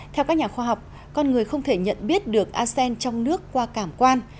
theo các nhà khoa học con người không thể nhận biết được arsen trong nước qua cảm quan